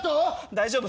大丈夫。